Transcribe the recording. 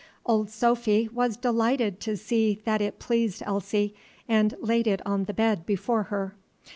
Old Sophy was delighted to see that it pleased Elsie, and laid it on the bed before her.